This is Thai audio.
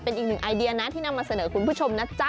เป็นอีกหนึ่งไอเดียนะที่นำมาเสนอคุณผู้ชมนะจ๊ะ